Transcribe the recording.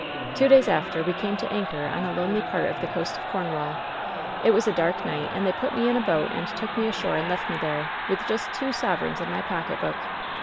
Two days after, we came to anchor on a lonely part of the coast of Cornwall. It was a dark night, and they put me in a boat and took me ashore and left me there, with just two sovereigns in my pocketbook.